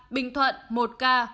bình thuận một ca